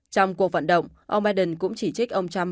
trong cuộc vận động ông biden cũng chỉ trích ông trump